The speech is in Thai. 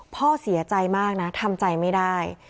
พ่อเสียใจมากนะทำใจไม่ได้